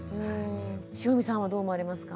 汐見さんはどう思われますか？